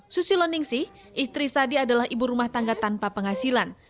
susilo ningsih istri sadi adalah ibu rumah tangga tanpa penghasilan